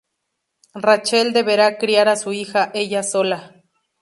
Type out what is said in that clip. Rachel deberá criar a su hija ella sola.